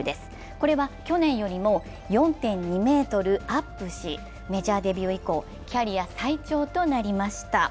これは去年よりも４．２ｍアップし、メジャーデビュー以降、キャリア最長となりました。